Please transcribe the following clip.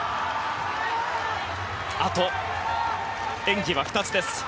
あと演技は２つです。